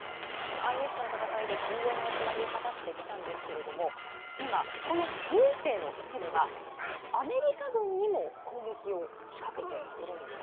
ＩＳとの戦いで重要な役割を果たしてきたんですけれども今、この民兵の一部がアメリカ軍にも攻撃を仕掛けているんです。